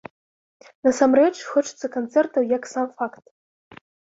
Насамрэч хочацца канцэртаў як сам факт!